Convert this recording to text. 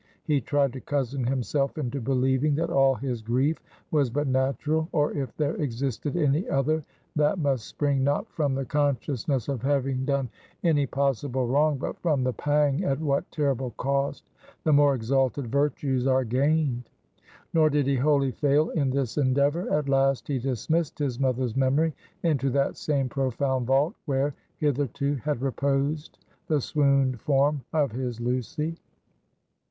He tried to cozen himself into believing that all his grief was but natural, or if there existed any other, that must spring not from the consciousness of having done any possible wrong but from the pang at what terrible cost the more exalted virtues are gained. Nor did he wholly fail in this endeavor. At last he dismissed his mother's memory into that same profound vault where hitherto had reposed the swooned form of his Lucy.